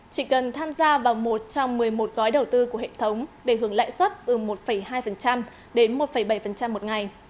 chỉ cần tham gia vào một trong một mươi một gói đầu tư của hệ thống để hưởng lãi suất từ một hai đến một bảy một ngày